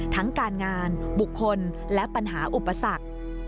ทั้งการงานบุคคลและปัญหาอุปสรรค